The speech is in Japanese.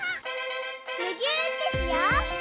むぎゅーってしよう！